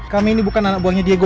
kami ini bukan anak buahnya diego